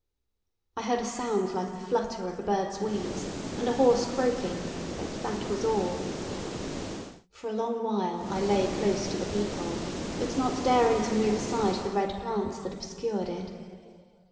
I heard a sound like the flutter of a bird's wings, and a hoarse croaking, but that was all. For a long while I lay close to the peephole, but not daring to move aside the red plants that obscured it.